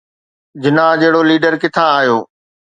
جناح جهڙو ليڊر ڪٿان آيو؟